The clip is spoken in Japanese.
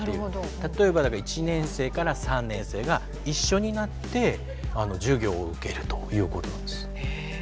例えば１年生３年生が一緒になって授業を受けるということなんです。